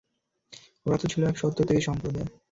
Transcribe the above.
ওরা তো ছিল এক সত্যত্যাগী সম্প্রদায়।